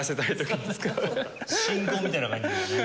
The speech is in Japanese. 信号みたいな感じですよね。